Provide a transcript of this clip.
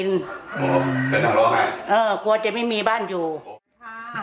เป็นหัวโรคไหมเออกลัวจะไม่มีบ้านอยู่